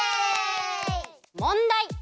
もんだい！